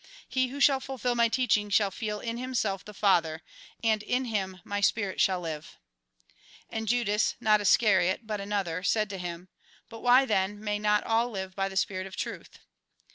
He who shall fulfil my teaching, shall feel in himself the Father ; and in him my spirit shall live." And Judas, not Iscariot, but another, said to him : But why, then, may not all live by the spirit of truth